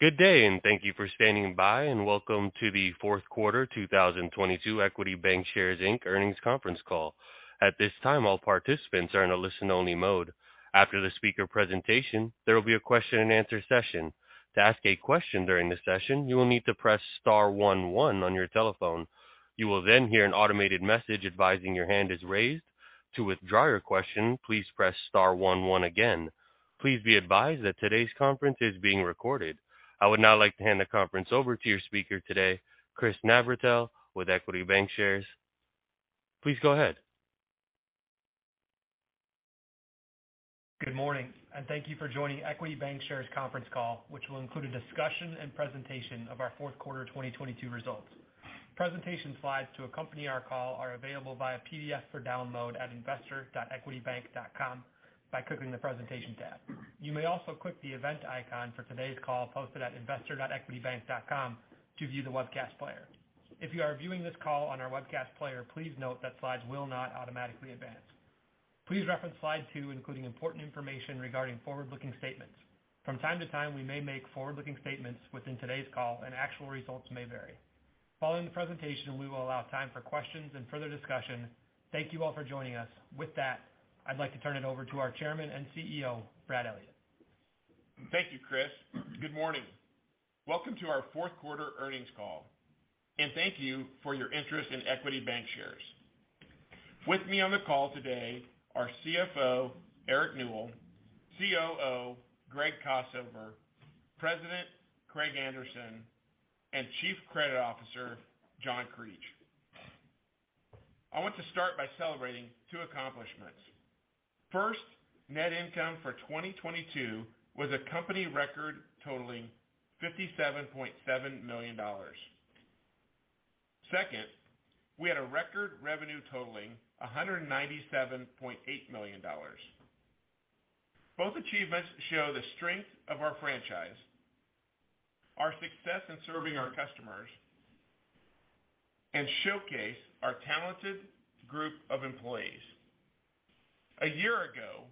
Good day, and thank you for standing by, and welcome to the Fourth Quarter 2022 Equity Bancshares Inc. Earnings Conference Call. At this time, all participants are in a listen-only mode. After the speaker presentation, there will be a question-and-answer session. To ask a question during the session you will need to press star one one on your telephone. You will then hear an automated message advising your hand is raised. To withdraw your question, please press star one one again. Please be advised that today's conference is being recorded. I would now like to hand the conference over to your speaker today, Chris Navratil with Equity Bancshares. Please go ahead. Good morning, and thank you for joining Equity Bancshares Conference Call, which will include a discussion and presentation of our fourth quarter 2022 results. Presentation slides to accompany our call are available via PDF for download at investor.equitybank.com by clicking the Presentation tab. You may also click the event icon for today's call posted at investor.equitybank.com to view the webcast player. If you are viewing this call on our webcast player, please note that slides will not automatically advance. Please reference slide two, including important information regarding forward-looking statements. From time to time, we may make forward-looking statements within today's call and actual results may vary. Following the presentation, we will allow time for questions and further discussion. Thank you all for joining us. With that, I'd like to turn it over to our Chairman and CEO, Brad Elliott. Thank you, Chris. Good morning. Welcome to our Fourth Quarter Earnings Call. Thank you for your interest in Equity Bancshares. With me on the call today are CFO Eric Newell, COO Gregory Kossover, President Craig Anderson, and Chief Credit Officer John Creech. I want to start by celebrating two accomplishments. First, net income for 2022 was a company record totaling $57.7 million. Second, we had a record revenue totaling $197.8 million. Both achievements show the strength of our franchise, our success in serving our customers, and showcase our talented group of employees. A year ago,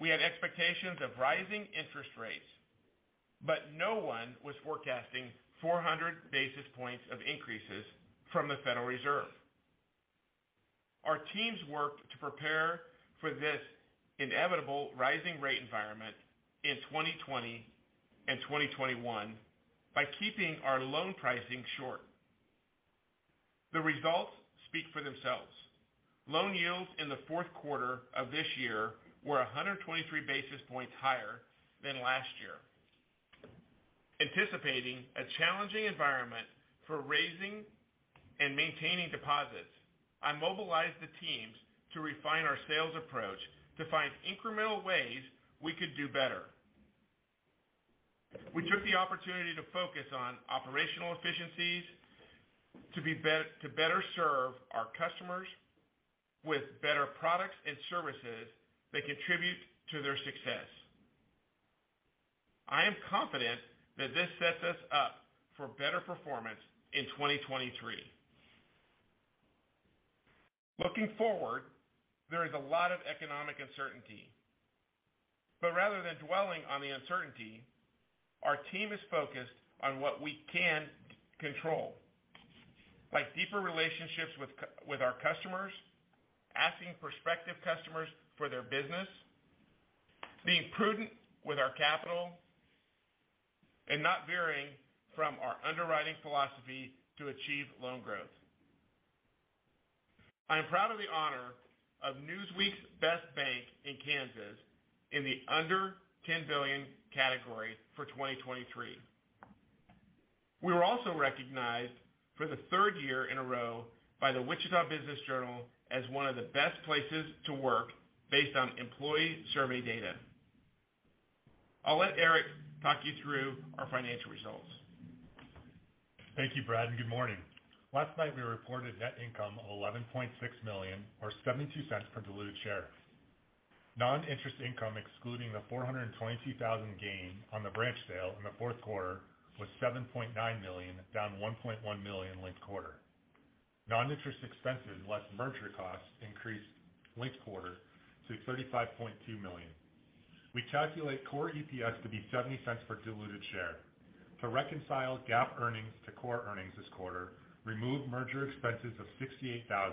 we had expectations of rising interest rates. No one was forecasting 400 basis points of increases from the Federal Reserve. Our teams worked to prepare for this inevitable rising rate environment in 2020 and 2021 by keeping our loan pricing short. The results speak for themselves. Loan yields in the fourth quarter of this year were 123 basis points higher than last year. Anticipating a challenging environment for raising and maintaining deposits, I mobilized the teams to refine our sales approach to find incremental ways we could do better. We took the opportunity to focus on operational efficiencies to better serve our customers with better products and services that contribute to their success. I am confident that this sets us up for better performance in 2023. Looking forward, there is a lot of economic uncertainty. Rather than dwelling on the uncertainty, our team is focused on what we can control. Like deeper relationships with our customers, asking prospective customers for their business, being prudent with our capital, and not veering from our underwriting philosophy to achieve loan growth. I am proud of the honor of Newsweek's Best Bank in Kansas in the under $10 billion category for 2023. We were also recognized for the third year in a row by the Wichita Business Journal as one of the best places to work based on employee survey data. I'll let Eric talk you through our financial results. Thank you, Brad. Good morning. Last night, we reported net income of $11.6 million or $0.72 per diluted share. Non-interest income, excluding the $422,000 gain on the branch sale in the fourth quarter, was $7.9 million, down $1.1 million linked quarter. Non-interest expenses, less merger costs, increased linked quarter to $35.2 million. We calculate core EPS to be $0.70 per diluted share. To reconcile GAAP earnings to core earnings this quarter, remove merger expenses of $68,000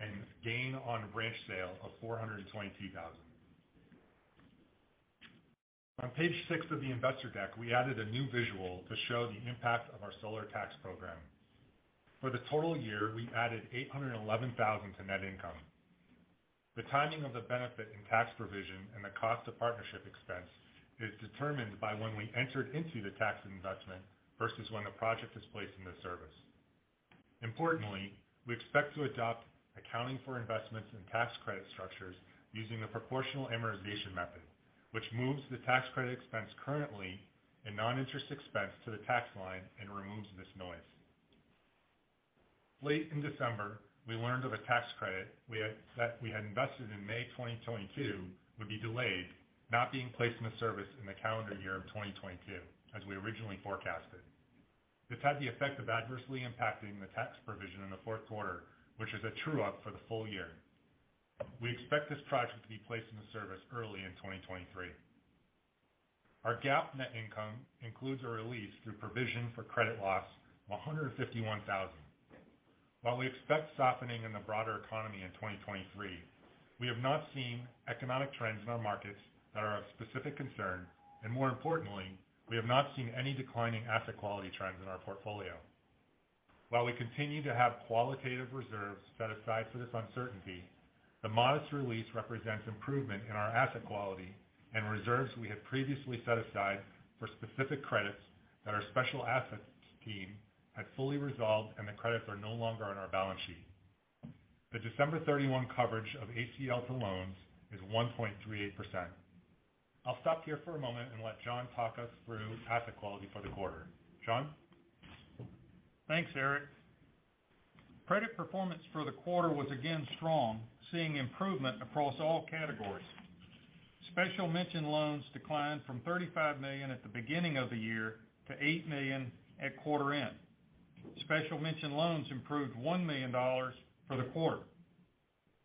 and gain on branch sale of $422,000. On page six of the investor deck, we added a new visual to show the impact of our solar tax program. For the total year, we added $811,000 to net income. The timing of the benefit and tax provision and the cost of partnership expense is determined by when we entered into the tax investment versus when the project is placed into service. Importantly, we expect to adopt accounting for investments in tax credit structures using the proportional amortization method, which moves the tax credit expense currently a non-interest expense to the tax line and removes this noise. Late in December, we learned of a tax credit that we had invested in May 2022 would be delayed, not being placed in the service in the calendar year of 2022 as we originally forecasted. This had the effect of adversely impacting the tax provision in the fourth quarter, which is a true up for the full year. We expect this project to be placed into service early in 2023. Our GAAP net income includes a release through provision for credit loss of $151,000. While we expect softening in the broader economy in 2023, we have not seen economic trends in our markets that are of specific concern. More importantly, we have not seen any declining asset quality trends in our portfolio. While we continue to have qualitative reserves set aside for this uncertainty, the modest release represents improvement in our asset quality and reserves we had previously set aside for specific credits that our special assets team had fully resolved and the credits are no longer on our balance sheet. The December 31 coverage of ACL to loans is 1.38%. I'll stop here for a moment. Let John talk us through asset quality for the quarter. John? Thanks, Eric. Credit performance for the quarter was again strong, seeing improvement across all categories. Special mention loans declined from $35 million at the beginning of the year to $8 million at quarter end. Special mention loans improved $1 million for the quarter.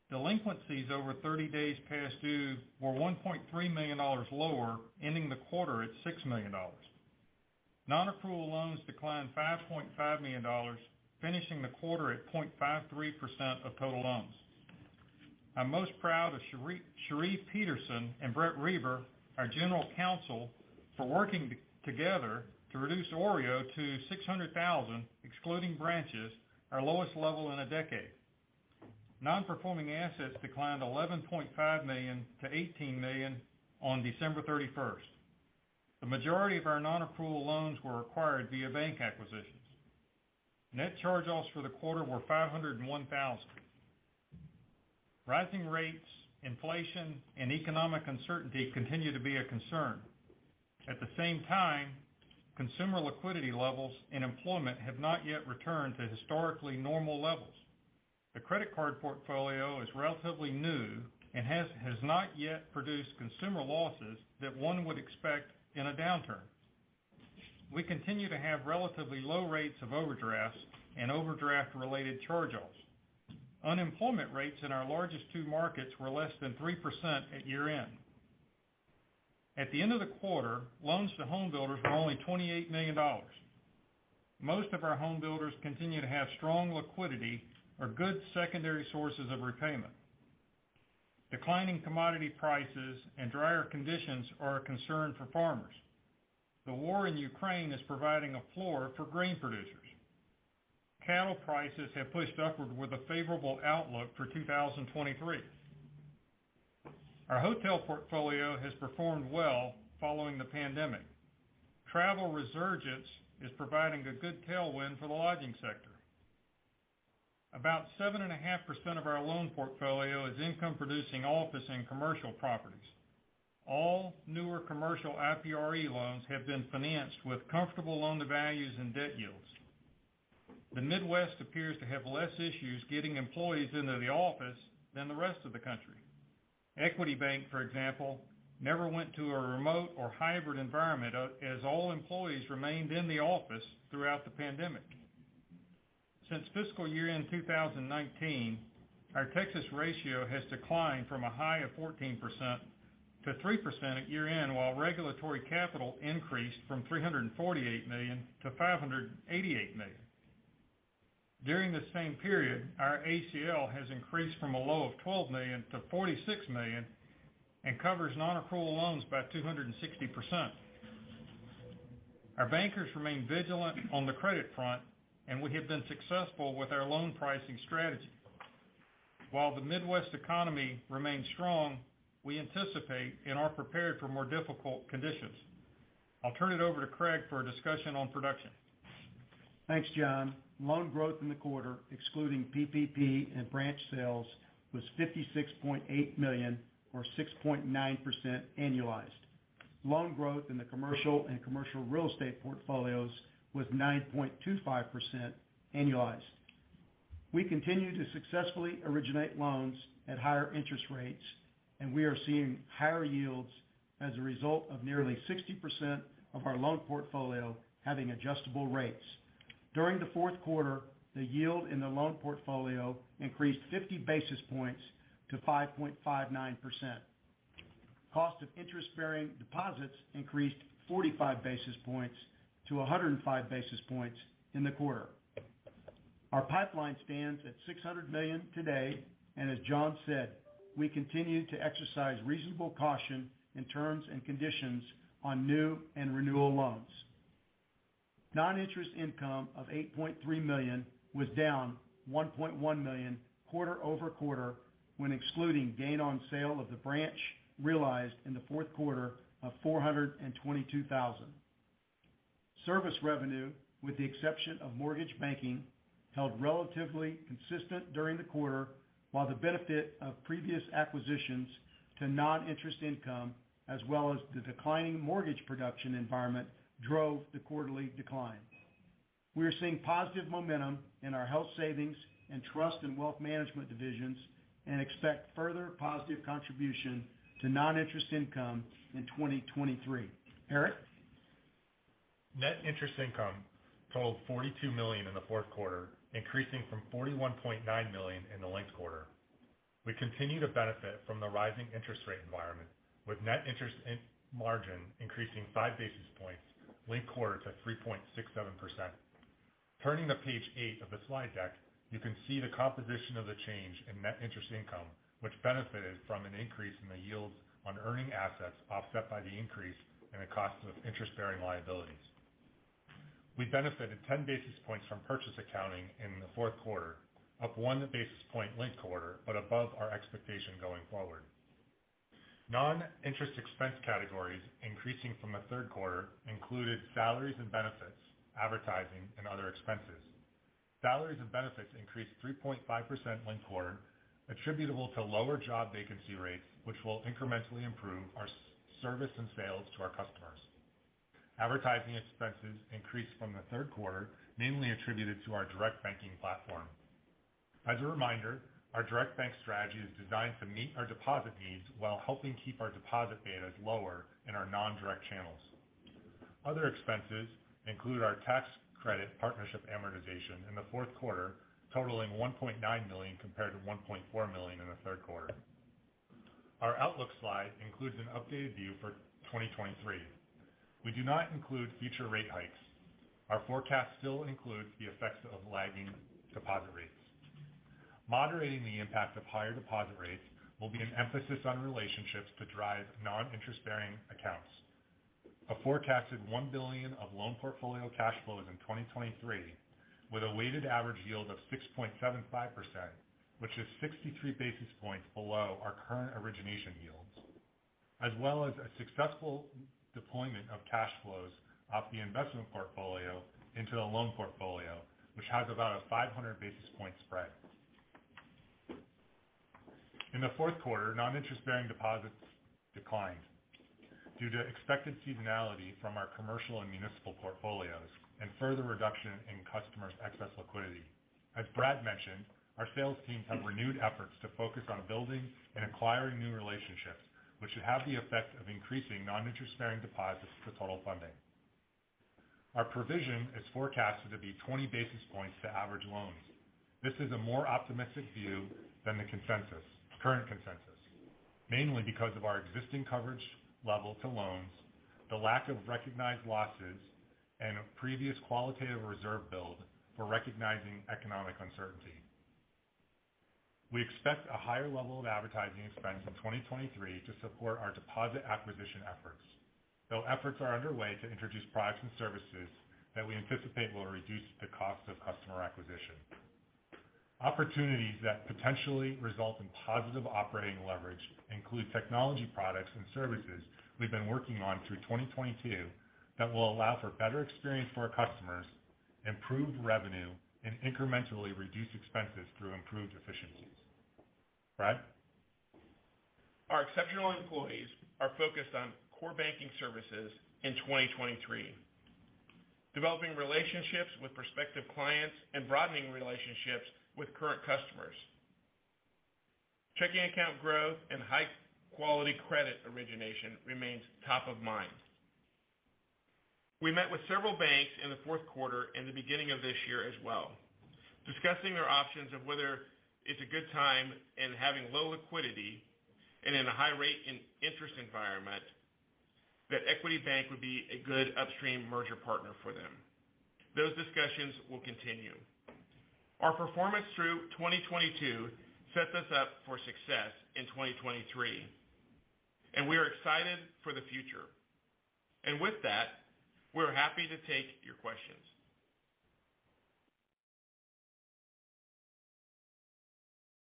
Delinquencies over 30 days past due were $1.3 million lower, ending the quarter at $6 million. Non-accrual loans declined $5.5 million, finishing the quarter at 0.53% of total loans. I'm most proud of Julie Huber and Brett Reber, our General Counsel, for working together to reduce OREO to $600,000, excluding branches, our lowest level in a decade. Non-performing assets declined $11.5 million-$18 million on December 31st. The majority of our non-accrual loans were acquired via bank acquisitions. Net charge-offs for the quarter were $501,000. Rising rates, inflation, and economic uncertainty continue to be a concern. At the same time, consumer liquidity levels and employment have not yet returned to historically normal levels. The credit card portfolio is relatively new and has not yet produced consumer losses that one would expect in a downturn. We continue to have relatively low rates of overdrafts and overdraft-related charge-offs. Unemployment rates in our largest two markets were less than 3% at year-end. At the end of the quarter, loans to home builders were only $28 million. Most of our home builders continue to have strong liquidity or good secondary sources of repayment. Declining commodity prices and drier conditions are a concern for farmers. The war in Ukraine is providing a floor for grain producers. Cattle prices have pushed upward with a favorable outlook for 2023. Our hotel portfolio has performed well following the pandemic. Travel resurgence is providing a good tailwind for the lodging sector. About 7.5% of our loan portfolio is income-producing office and commercial properties. All newer commercial IPRE loans have been financed with comfortable loan-to-values and debt yields. The Midwest appears to have less issues getting employees into the office than the rest of the country. Equity Bank, for example, never went to a remote or hybrid environment as all employees remained in the office throughout the pandemic. Since fiscal year-end 2019, our Texas Ratio has declined from a high of 14%-3% at year-end, while regulatory capital increased from $348 million-$588 million. During the same period, our ACL has increased from a low of $12 million-$46 million and covers non-accrual loans by 260%. Our bankers remain vigilant on the credit front, and we have been successful with our loan pricing strategy. While the Midwest economy remains strong, we anticipate and are prepared for more difficult conditions. I'll turn it over to Craig for a discussion on production. Thanks, John. Loan growth in the quarter, excluding PPP and branch sales, was $56.8 million or 6.9% annualized. Loan growth in the commercial and commercial real estate portfolios was 9.25% annualized. We continue to successfully originate loans at higher interest rates. We are seeing higher yields as a result of nearly 60% of our loan portfolio having adjustable rates. During the fourth quarter, the yield in the loan portfolio increased 50 basis points to 5.59%. Cost of interest-bearing deposits increased 45 basis points to 105 basis points in the quarter. Our pipeline stands at $600 million today. As John said, we continue to exercise reasonable caution in terms and conditions on new and renewal loans. Non-interest income of $8.3 million was down $1.1 million quarter-over-quarter when excluding gain on sale of the branch realized in the fourth quarter of $422,000. Service revenue, with the exception of mortgage banking, held relatively consistent during the quarter, while the benefit of previous acquisitions to non-interest income as well as the declining mortgage production environment drove the quarterly decline. We are seeing positive momentum in our health savings and trust and wealth management divisions and expect further positive contribution to non-interest income in 2023. Eric? Net interest income totaled $42 million in the fourth quarter, increasing from $41.9 million in the linked quarter. We continue to benefit from the rising interest rate environment, with net interest in margin increasing 5 basis points linked quarter to 3.67%. Turning to page eight of the slide deck, you can see the composition of the change in net interest income, which benefited from an increase in the yields on earning assets, offset by the increase in the cost of interest-bearing liabilities. We benefited 10 basis points from purchase accounting in the fourth quarter, up one basis point linked quarter, but above our expectation going forward. Non-interest expense categories increasing from the third quarter included salaries and benefits, advertising and other expenses. Salaries and benefits increased 3.5% linked quarter, attributable to lower job vacancy rates, which will incrementally improve our service and sales to our customers. Advertising expenses increased from the third quarter, mainly attributed to our direct banking platform. As a reminder, our direct bank strategy is designed to meet our deposit needs while helping keep our deposit betas lower in our non-direct channels. Other expenses include our tax credit partnership amortization in the fourth quarter, totaling $1.9 million compared to $1.4 million in the third quarter. Our outlook slide includes an updated view for 2023. We do not include future rate hikes. Our forecast still includes the effects of lagging deposit rates. Moderating the impact of higher deposit rates will be an emphasis on relationships to drive non-interest-bearing accounts. A forecasted $1 billion of loan portfolio cash flows in 2023, with a weighted average yield of 6.75%, which is 63 basis points below our current origination yields, as well as a successful deployment of cash flows off the investment portfolio into the loan portfolio, which has about a 500 basis point spread. In the fourth quarter, non-interest-bearing deposits declined due to expected seasonality from our commercial and municipal portfolios and further reduction in customers' excess liquidity. As Brad mentioned, our sales teams have renewed efforts to focus on building and acquiring new relationships, which should have the effect of increasing non-interest-bearing deposits to total funding. Our provision is forecasted to be 20 basis points to average loans. This is a more optimistic view than the consensus, current consensus, mainly because of our existing coverage level to loans, the lack of recognized losses, and a previous qualitative reserve build for recognizing economic uncertainty. We expect a higher level of advertising expense in 2023 to support our deposit acquisition efforts, though efforts are underway to introduce products and services that we anticipate will reduce the cost of customer acquisition. Opportunities that potentially result in positive operating leverage include technology products and services we've been working on through 2022 that will allow for better experience for our customers, improved revenue, and incrementally reduced expenses through improved efficiencies. Brad? Our exceptional employees are focused on core banking services in 2023, developing relationships with prospective clients and broadening relationships with current customers. Checking account growth and high-quality credit origination remains top of mind. We met with several banks in the fourth quarter and the beginning of this year as well, discussing their options of whether it's a good time and having low liquidity and in a high rate in interest environment that Equity Bank would be a good upstream merger partner for them. Those discussions will continue. Our performance through 2022 sets us up for success in 2023, and we are excited for the future. With that, we're happy to take your questions.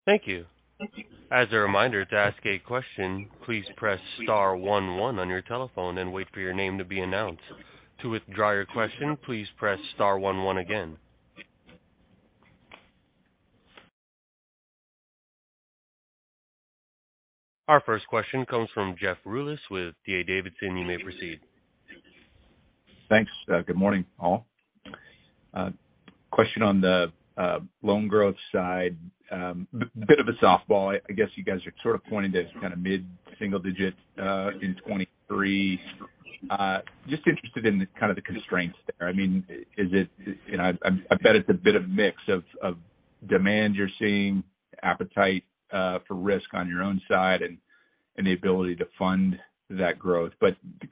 Thank you. As a reminder, to ask a question, please press star one one on your telephone and wait for your name to be announced. To withdraw your question, please press star one one again. Our first question comes from Jeff Rulis with D.A. Davidson. You may proceed. Thanks. Good morning, all. Question on the loan growth side. Bit of a softball. I guess you guys are sort of pointing to kind of mid-single digit in 2023. Just interested in the kind of the constraints there. I mean, is it, you know, I bet it's a bit of mix of demand you're seeing, appetite for risk on your own side and the ability to fund that growth.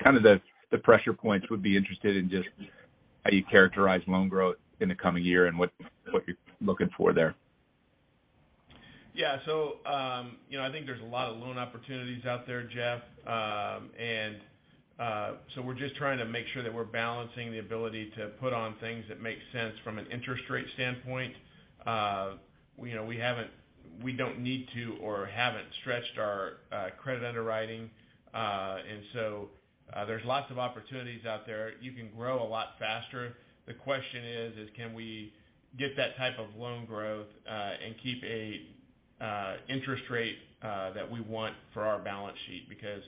Kind of the pressure points would be interested in just how you characterize loan growth in the coming year and what you're looking for there. You know, I think there's a lot of loan opportunities out there, Jeff. So we're just trying to make sure that we're balancing the ability to put on things that make sense from an interest rate standpoint. You know, we don't need to or haven't stretched our credit underwriting. So there's lots of opportunities out there. You can grow a lot faster. The question is can we get that type of loan growth and keep an interest rate that we want for our balance sheet because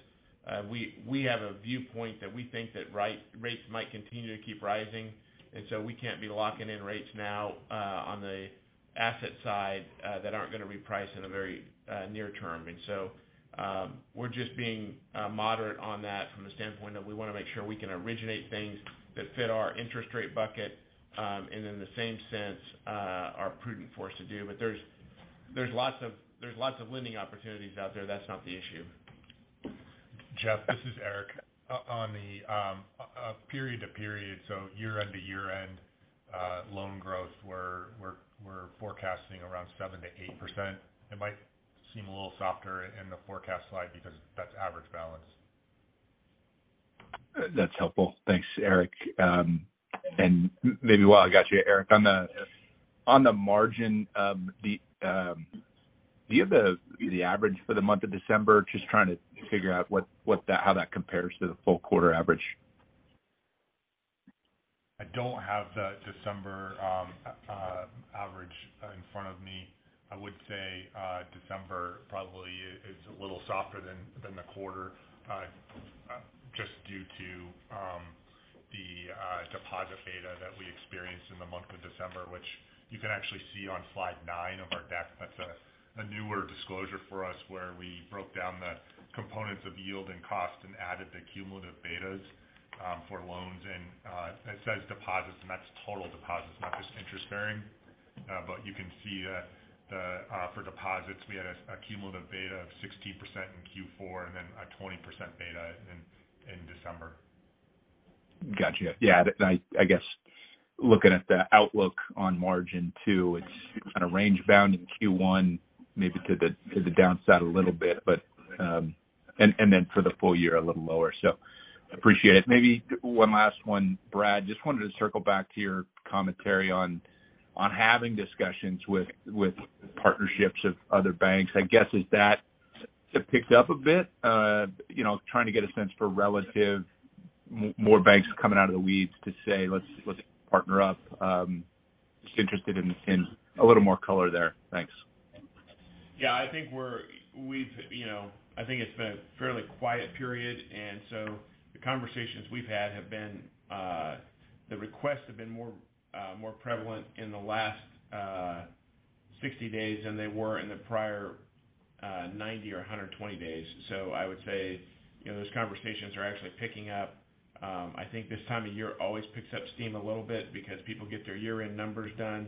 we have a viewpoint that we think that rates might continue to keep rising. So we can't be locking in rates now on the asset side that aren't gonna reprice in the very near term. We're just being moderate on that from the standpoint that we want to make sure we can originate things that fit our interest rate bucket, and in the same sense, are prudent for us to do. There's lots of lending opportunities out there. That's not the issue. Jeff, this is Eric. On the period to period, Year-end to year-end, loan growth, we're forecasting around 7%-8%. It might seem a little softer in the forecast slide because that's average balance. That's helpful. Thanks, Eric. Maybe while I got you, Eric, on the margin, do you have the average for the month of December? Just trying to figure out what that how that compares to the full quarter average. I don't have the December average in front of me. I would say December probably is a little softer than the quarter just due to the deposit beta that we experienced in the month of December, which you can actually see on slide of our deck. That's a newer disclosure for us, where we broke down the components of yield and cost and added the cumulative betas for loans. It says deposits, and that's total deposits, not just interest-bearing. But you can see that for deposits, we had a cumulative beta of 16% in Q4 and then a 20% beta in December. Gotcha. Yeah, that I guess looking at the outlook on margin too, it's kind of range bound in Q1, maybe to the downside a little bit, but then for the full year, a little lower. Appreciate it. Maybe one last one. Brad, just wanted to circle back to your commentary on having discussions with partnerships of other banks. I guess, has that picked up a bit? You know, trying to get a sense for relative more banks coming out of the weeds to say, "Let's partner up." Just interested in a little more color there. Thanks. Yeah. I think we've, you know, I think it's been a fairly quiet period. The conversations we've had have been, the requests have been more, more prevalent in the last 60 days than they were in the prior 90 or 120 days. I would say, you know, those conversations are actually picking up. I think this time of year always picks up steam a little bit because people get their year-end numbers done.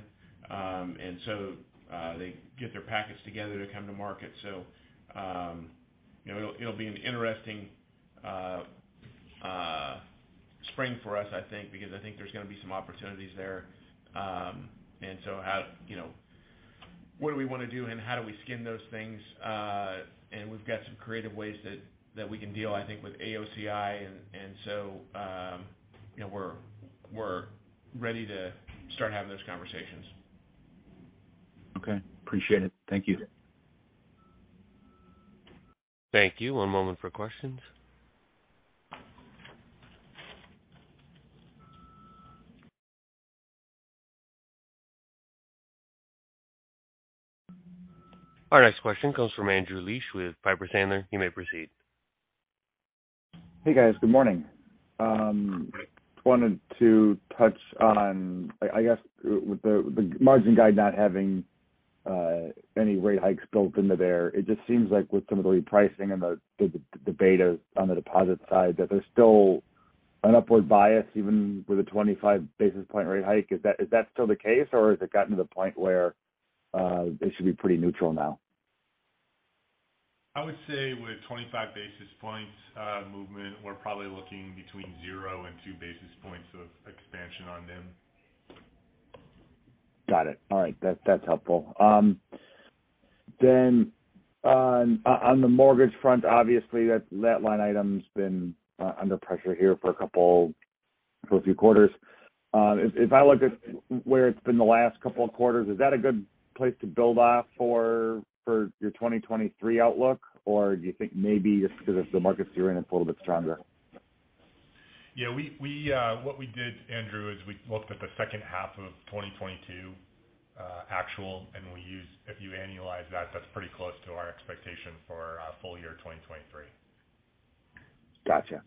They get their packets together to come to market. You know, it'll be an interesting spring for us, I think, because I think there's gonna be some opportunities there. How, you know, what do we wanna do and how do we skin those things? We've got some creative ways that we can deal, I think, with AOCI, and so, you know, we're ready to start having those conversations. Okay. Appreciate it. Thank you. Thank you. One moment for questions. Our next question comes from Andrew Liesch with Piper Sandler. You may proceed. Hey, guys. Good morning. wanted to touch on, I guess, with the margin guide not having any rate hikes built into there, it just seems like with some of the repricing and the beta on the deposit side, that there's still an upward bias even with a 25 basis point rate hike. Is that still the case, or has it gotten to the point where they should be pretty neutral now? I would say with 25 basis points, movement, we're probably looking between zero and two basis points of expansion on NIM. Got it. All right. That's helpful. On the mortgage front, obviously that LAT line item's been under pressure here for a few quarters. If I look at where it's been the last couple of quarters, is that a good place to build off for your 2023 outlook? Do you think maybe just because the markets year-end a little bit stronger? Yeah. We what we did, Andrew, is we looked at the second half of 2022, actual, and we used if you annualize that's pretty close to our expectation for, full year 2023. Gotcha.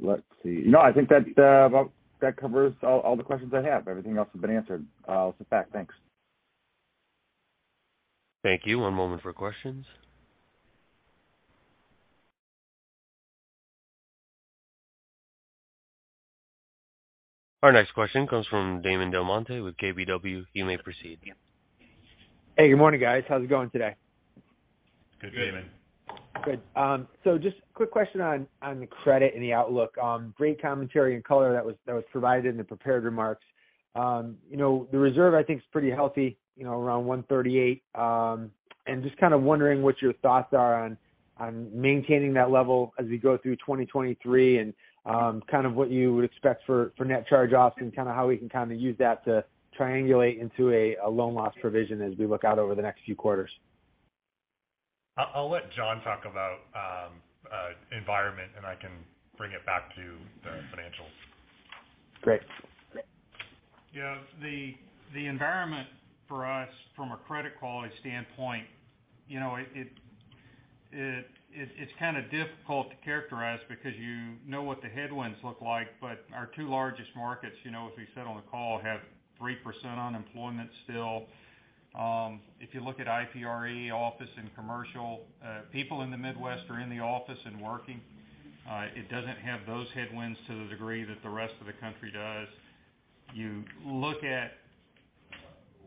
Let's see. No, I think that covers all the questions I have. Everything else has been answered. I'll sit back. Thanks. Thank you. One moment for questions. Our next question comes from Damon DelMonte with KBW. You may proceed. Hey. Good morning, guys. How's it going today? Good, Damon. Good. Good. Just quick question on the credit and the outlook. Great commentary and color that was provided in the prepared remarks. You know, the reserve I think is pretty healthy, you know, around 138. Just kind of wondering what your thoughts are on maintaining that level as we go through 2023 and, kind of what you would expect for net charge-offs and kind of how we can kind of use that to triangulate into a loan loss provision as we look out over the next few quarters. I'll let John talk about environment and I can bring it back to the financials. Great. Yeah. The environment for us from a credit quality standpoint, you know, it's kind of difficult to characterize because you know what the headwinds look like. Our two largest markets, you know, as we said on the call, have 3% unemployment still. If you look at IPRE office and commercial, people in the Midwest are in the office and working. It doesn't have those headwinds to the degree that the rest of the country does. You look at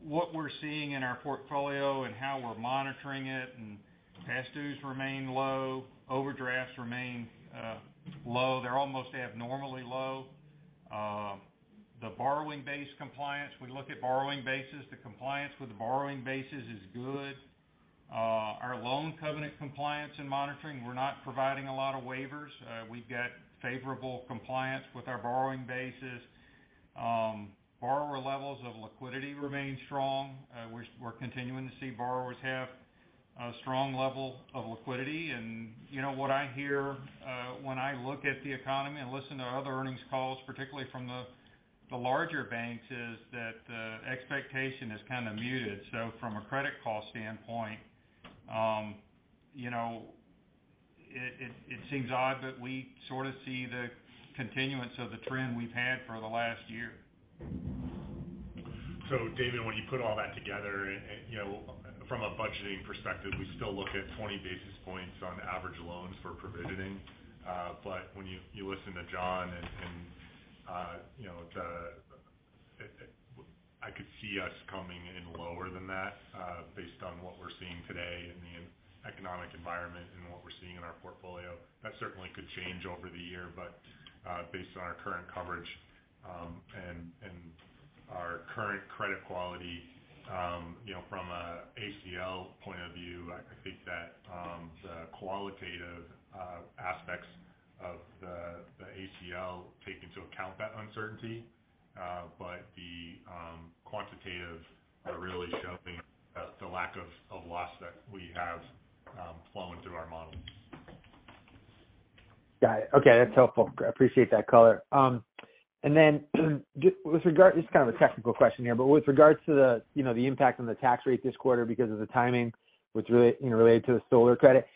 what we're seeing in our portfolio and how we're monitoring it, and past dues remain low, overdrafts remain low. They're almost abnormally low. The borrowing base compliance, we look at borrowing bases. The compliance with the borrowing bases is good. Our loan covenant compliance and monitoring, we're not providing a lot of waivers. We've got favorable compliance with our borrowing bases. Borrower levels of liquidity remain strong. We're continuing to see borrowers have a strong level of liquidity. You know, what I hear, when I look at the economy and listen to other earnings calls, particularly from the larger banks, is that the expectation is kind of muted. From a credit call standpoint, you know, it seems odd, but we sort of see the continuance of the trend we've had for the last year. David, when you put all that together, you know, from a budgeting perspective, we still look at 20 basis points on average loans for provisioning. When you listen to John, you know, I could see us coming in lower than that, based on what we're seeing today in the economic environment and what we're seeing in our portfolio. That certainly could change over the year. Based on our current coverage, and our current credit quality, you know, from a ACL point of view, I think that the qualitative aspects of the ACL take into account that uncertainty. The quantitative are really showing the lack of loss that we have flowing through our models. Got it. Okay, that's helpful. I appreciate that color. This is kind of a technical question here. With regards to the, you know, the impact on the tax rate this quarter because of the timing which related, you know, to the solar credit,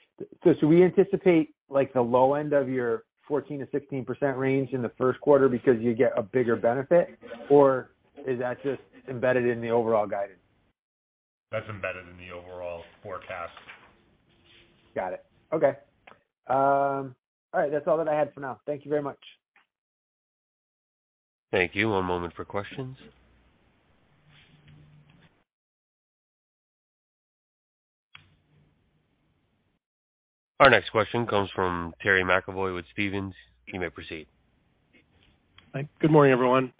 should we anticipate like the low end of your 14%-16% range in the first quarter because you get a bigger benefit? Or is that just embedded in the overall guidance? That's embedded in the overall forecast. Got it. Okay. All right, that's all that I had for now. Thank you very much. Thank you. One moment for questions. Our next question comes from Terry McEvoy with Stephens. You may proceed. Good morning, everyone.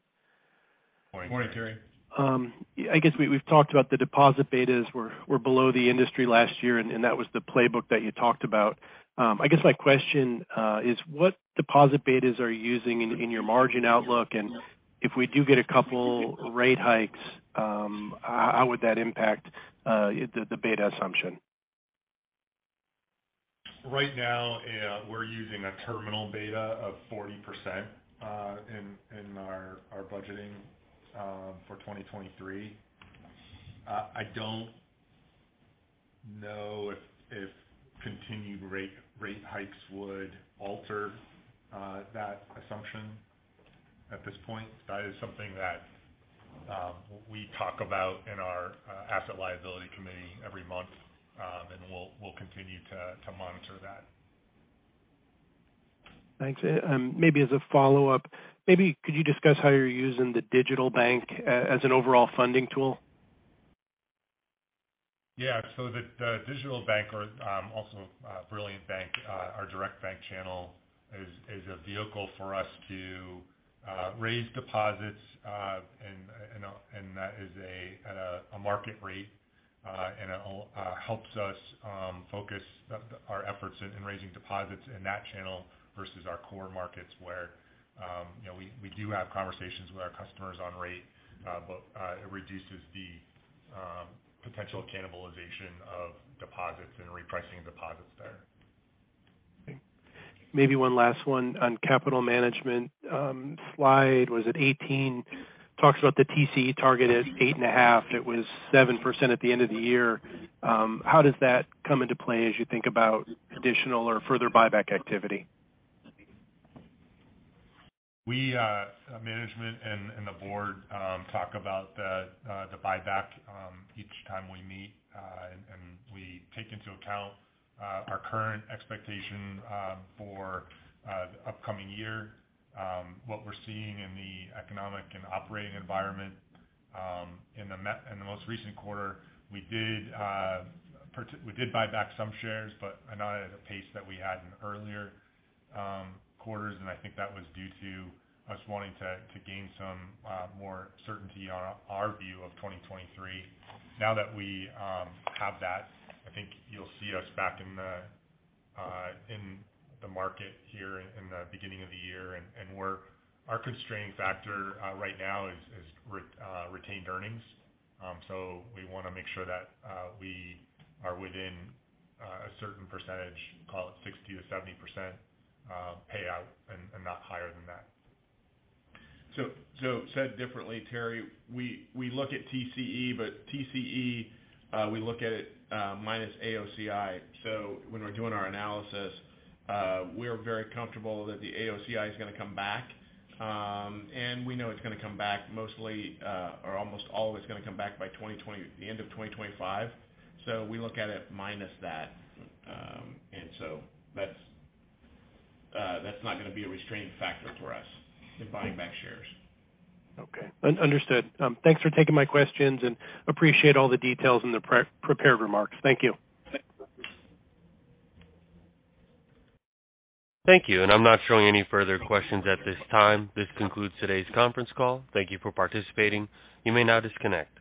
Morning. Morning, Terry. I guess we've talked about the deposit betas were below the industry last year, and that was the playbook that you talked about. I guess my question is what deposit betas are you using in your margin outlook? If we do get a couple rate hikes, how would that impact the beta assumption? Right now, we're using a terminal beta of 40% in our budgeting for 2023. I don't know if continued rate hikes would alter that assumption at this point. That is something that we talk about in our asset liability committee every month. We'll continue to monitor that. Thanks. Maybe as a follow-up, maybe could you discuss how you're using the digital bank as an overall funding tool? The digital bank or, also, Brilliant Bank, our direct bank channel is a vehicle for us to raise deposits. That is a, at a market rate. It helps us focus our efforts in raising deposits in that channel versus our core markets where, you know, we do have conversations with our customers on rate, but it reduces the potential cannibalization of deposits and repricing deposits there. Maybe one last one on capital management. slide, was it 18, talks about the TCE target is 8.5%. It was 7% at the end of the year. How does that come into play as you think about additional or further buyback activity? We, management and the board, talk about the buyback each time we meet. We take into account our current expectation for the upcoming year, what we're seeing in the economic and operating environment. In the most recent quarter, we did buy back some shares, but not at a pace that we had in earlier quarters. I think that was due to us wanting to gain some more certainty on our view of 2023. Now that we have that, I think you'll see us back in the market here in the beginning of the year. Our constraining factor right now is retained earnings. We wanna make sure that we are within a certain percentage, call it 60%-70%, payout and not higher than that. Said differently, Terry, we look at TCE, but TCE, we look at it, minus AOCI. When we're doing our analysis, we're very comfortable that the AOCI is going to come back. And we know it's going to come back mostly, or almost always going to come back by the end of 2025. We look at it minus that. That's not going to be a restraining factor for us in buying back shares. Okay. Understood. Thanks for taking my questions and appreciate all the details in the pre-prepared remarks. Thank you. Thanks. Thank you. I'm not showing any further questions at this time. This concludes today's conference call. Thank you for participating. You may now disconnect.